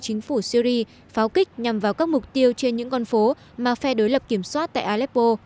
chính phủ syri pháo kích nhằm vào các mục tiêu trên những con phố mà phe đối lập kiểm soát tại aleppo